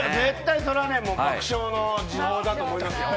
それはもう爆笑の時報だと思いますよ。